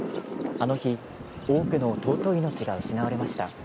あの日多くの尊い命が失われました。